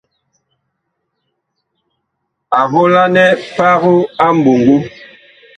A volanɛ pago a mɓoŋgo.